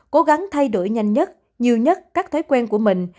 cố gắng thay đổi nhanh nhất nhiều nhất các thói quen của mình